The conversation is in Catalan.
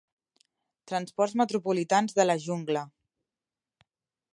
Transports Metropolitans de la Jungla.